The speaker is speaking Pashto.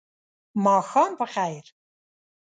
ماښام په خیر !